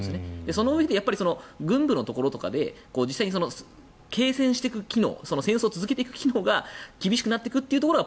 そのうえで、軍部のところとかで実際に継戦していく機能戦争を続けていく機能が厳しくなっていくというのが